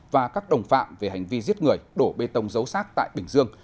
và các đồng phạm về hành vi giết người đổ bê tông dấu xác tại bình dương